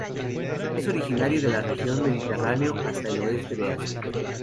Es originario de la región del Mediterráneo hasta el oeste de Asia.